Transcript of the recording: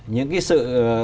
những cái sự